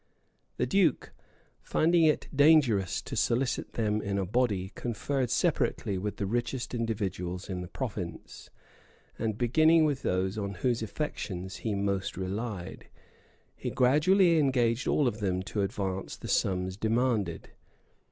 The duke, finding it dangerous to solicit them in a body, conferred separately with the richest individuals in the province; and beginning with those on whose affections he most relied, he gradually engaged all of them to advance the sums demanded.